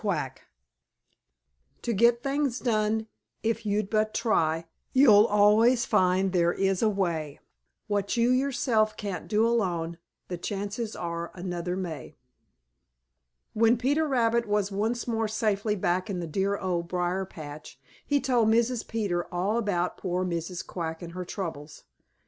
QUACK To get things done, if you'll but try, You'll always find there is a way. What you yourself can't do alone The chances are another may. When Peter Rabbit was once more safely back in the dear Old Briar patch, he told Mrs. Peter all about poor Mrs. Quack and her troubles.